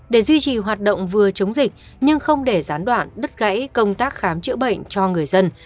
để duy trì hoạt động vừa chống dịch nhưng không để gián đoạn đứt gãy công tác khám chữa bệnh cho người dân